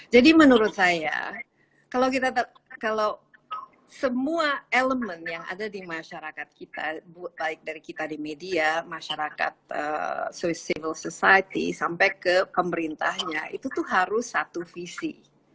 jadi menurut saya kalau kita kalau semua elemen yang ada di masyarakat kita baik dari kita di media masyarakat civil society sampai ke pemerintahnya itu tuh harus satu visi